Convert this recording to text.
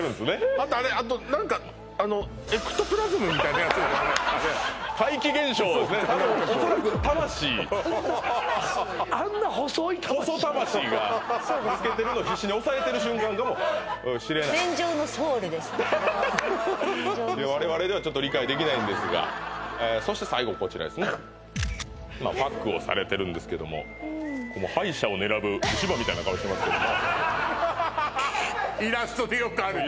あとあれあと何かあのおそらく魂あんな細い魂抜けてるの必死に押さえてる瞬間かもしれない我々ではちょっと理解できないんですがそして最後こちらですねまあパックをされてるんですけどもみたいな顔してますけどもイラストでよくあるね